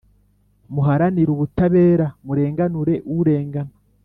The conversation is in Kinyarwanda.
muharanire ubutabera, murenganure urengana,